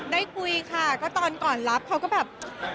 ได้คุยค่ะก็ตอนก่อนรับเขาก็แบบ